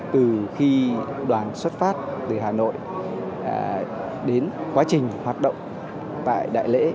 từ khi đoàn xuất phát từ hà nội đến quá trình hoạt động tại đại lễ